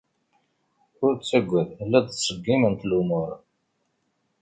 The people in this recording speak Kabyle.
Ur ttagad. La d-ttṣeggiment lumuṛ.